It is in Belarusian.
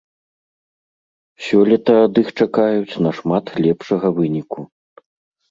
Сёлета ад іх чакаюць нашмат лепшага выніку.